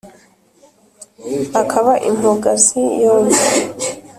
Akaba impogazi yombi.